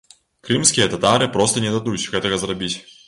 Крымскія татары проста не дадуць гэта зрабіць!